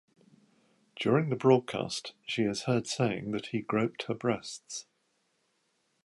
During the broadcast she is heard saying that he groped her breasts.